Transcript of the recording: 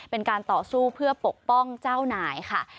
เป็นการต่อสู้เพื่อปกป้องเจ้านายค่ะ